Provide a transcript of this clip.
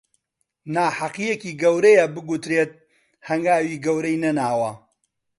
ناهەقییەکی گەورەیە بگوترێت هەنگاوی گەورەی نەناوە